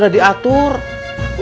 udah akang berangkat dulu